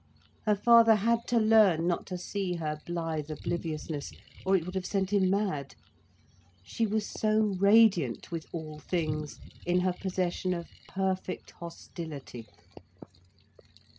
Her father had to learn not to see her blithe obliviousness, or it would have sent him mad. She was so radiant with all things, in her possession of perfect hostility.